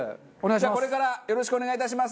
じゃあこれからよろしくお願いいたします。